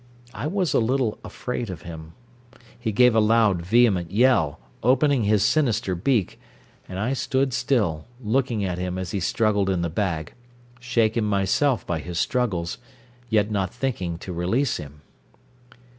I was a little afraid of him. He gave a loud, vehement yell, opening his sinister beak, and I stood still, looking at him as he struggled in the bag, shaken myself by his struggles, yet not thinking to release him.